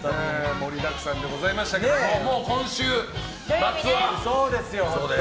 盛りだくさんでございましたけどもう今週末は。